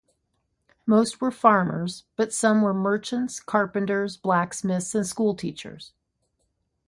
Most were farmers, but some were merchants, carpenters, blacksmiths and school teachers.